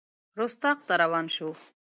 رُستاق ته روان شو.